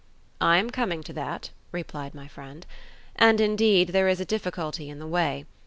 "I am coming to that," replied my friend; "and, indeed, there is a difficulty in the way.